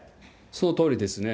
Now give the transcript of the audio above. そのとおりですね。